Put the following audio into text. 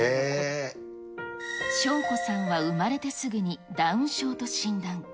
翔子さんは生まれてすぐにダウン症と診断。